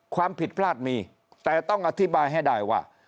ความผิดพลาดมีแต่ต้องอธิบายให้ได้ว่า